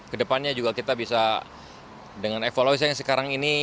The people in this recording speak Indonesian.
kedepannya juga kita bisa dengan evaluasi yang sekarang ini